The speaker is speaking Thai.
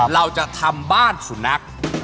เราจะทำบ้านสุนัข